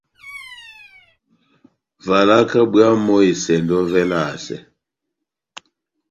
Valaka bwámu ó esɛndɔ yɔvɛ elasɛ.